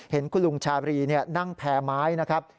เห็นคุณลุงชาบรีนั่งแพรไม้นะครับ